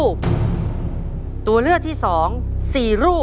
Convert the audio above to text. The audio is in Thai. คุณยายแจ้วเลือกตอบจังหวัดนครราชสีมานะครับ